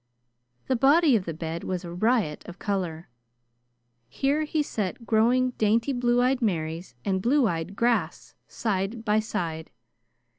The body of the bed was a riot of color. Here he set growing dainty blue eyed Marys and blue eyed grass side by side.